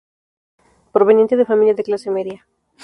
Proveniente de familia de clase media.